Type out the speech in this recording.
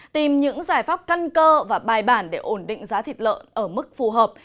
tìm những giải pháp căn cơ và bài bản để ổn định giá thịt lợn ở mức phù hợp